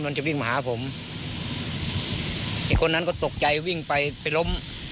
จะวิ่งมาหาผมไอ้คนนั้นก็ตกใจวิ่งไปไปล้ม